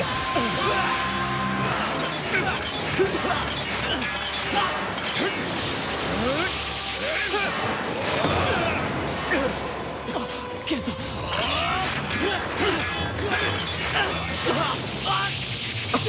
うわっ！